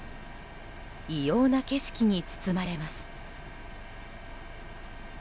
異様な景色に包まれます。